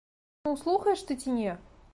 Ну, слухаеш ты ці не?